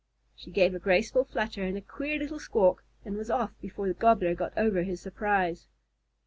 She gave a graceful flutter and a queer little squawk, and was off before the Gobbler got over his surprise.